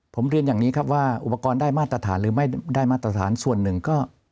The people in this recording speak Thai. ผมเรียนอย่างนี้ครับว่าอุปกรณ์ได้มาตรฐานหรือไม่ได้มาตรฐานส่วนหนึ่งก็